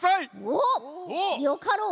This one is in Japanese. おっよかろう。